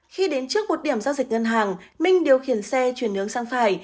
khi đến trước một điểm giao dịch ngân hàng minh điều khiển xe chuyển hướng sang phải